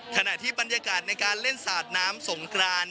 ขณะที่บรรยากาศในการเล่นสาดน้ำสงกราน